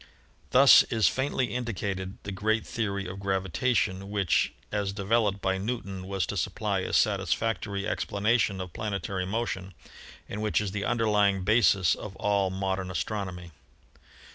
Thus is faintly indicated the great theory of gravitation which, as developed by Newton, was to supply a satisfac tory explanation of planetary motion and which is the underlying basis of all modern astronomy.